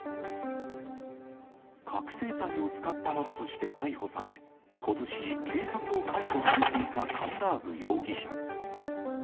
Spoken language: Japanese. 覚醒剤を使ったなどとして逮捕され、ことし、警察を解雇されていたカンラーブ容疑者。